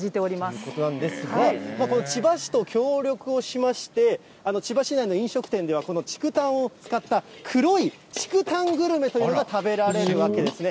ということなんですが、この千葉市と協力をしまして、千葉市内の飲食店では、この竹炭を使った、黒い竹炭グルメというのが食べられるわけですね。